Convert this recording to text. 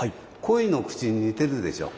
鯉の口に似てるでしょ。